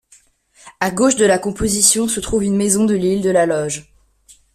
À gauche de la composition se trouve une maison de l'île de la Loge.